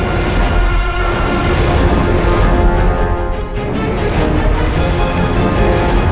siapa yang menyerah kita